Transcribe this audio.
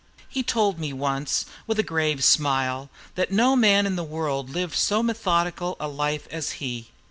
He told me once, with a grave smile, that no man in the world lived so methodical a life as he.